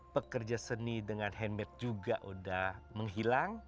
pekerja seni dengan handmade juga udah menghilang